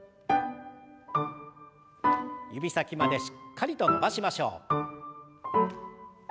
指先までしっかりと伸ばしましょう。